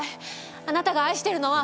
あなたが愛してるのは。